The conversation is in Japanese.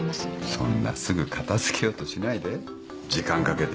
そんなすぐ片付けようとしないで時間かけてやろう。